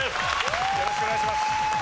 よろしくお願いします。